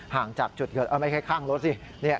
ห่างจากจุดเกิดไม่ใช่ข้างรถสิ